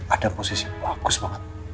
ada posisi bagus banget